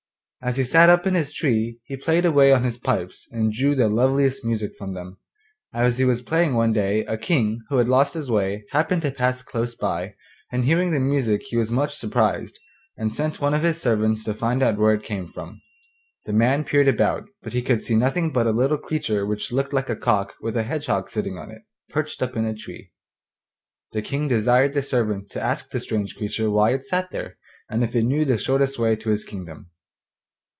As he sat up in his tree he played away on his pipes and drew the loveliest music from them. As he was playing one day a King, who had lost his way, happened to pass close by, and hearing the music he was much surprised, and sent one of his servants to find out where it came from. The man peered about, but he could see nothing but a little creature which looked like a cock with a hedgehog sitting on it, perched up in a tree. The King desired the servant to ask the strange creature why it sat there, and if it knew the shortest way to his kingdom.